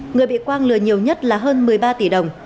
người bị quang lừa nhiều nhất là hơn một mươi ba tỷ đồng